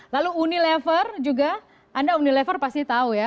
lalu unilever juga anda unilever pasti tahu ya